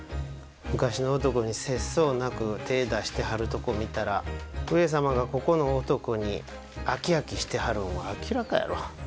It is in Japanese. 昔の男に節操なく手ぇ出してはるとこ見たら上様がここの男に飽き飽きしてはるんは明らかやろ？